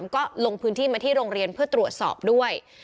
ก็ลงพื้นที่มาที่โรงเรียนเพื่อตรวจสอบด้วย